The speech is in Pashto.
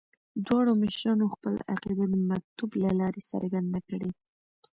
دواړو مشرانو خپله عقیده د مکتوب له لارې څرګنده کړې.